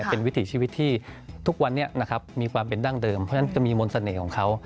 เป็นวิถีชีวิตที่ทุกวันนี้นะครับมีความเป็นดั้งเดิมเพราะฉะนั้นก็มีมนต์เสน่ห์ของเขา